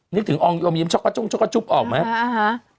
นึกถึงอมยิ้มช็อกโก๊ะจุ้งช็อกโก๊ะจุ๊บออกไหมอ่าฮะ